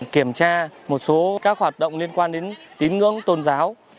kiểm tra một số các hoạt động liên quan đến tín ngưỡng tôn giáo